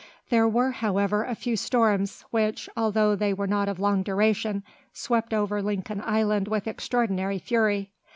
There were, however, a few storms, which, although they were not of long duration, swept over Lincoln Island with extraordinary fury.